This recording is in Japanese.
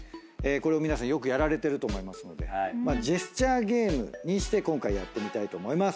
これを皆さんよくやられてると思いますのでジェスチャーゲームにして今回やってみたいと思います。